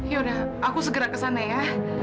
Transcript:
yaudah aku segera kesana ya